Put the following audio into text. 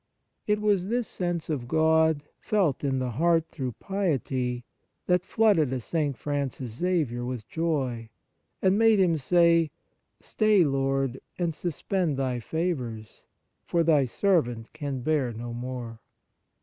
It was this sense of God, felt in the heart through piety, that flooded a St. Francis Xavier with joy, and made him say :" Stay, Lord, and suspend Thy favours, for Thy servant can bear no more."